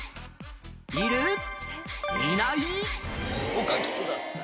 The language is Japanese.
お書きください。